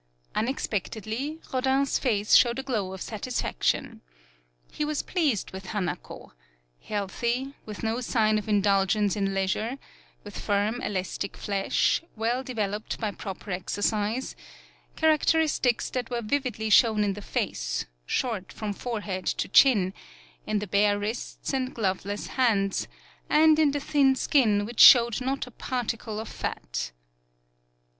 Unexpectedly, Rodin's face showed a glow of satisfaction. He was pleased with Hanako; healthy, with no sign of indulgence in leisure; with firm, elastic flesh, well developed by proper exer cise characteristics that were vividly 42 HANAKO shown in the face, short from forehead to chin, in the bare wrists and gloveless hands, and in the thin skin which showed not a particle of fat.